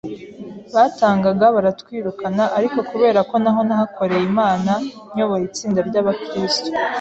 batangaga baratwirukana ariko kubera ko naho nahakoreye Imana nyoboye itsinda ry’abakristo